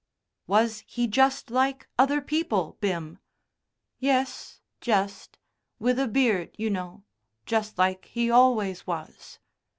"Was he just like other people, Bim?" "Yes, just. With a beard, you know just like he always was."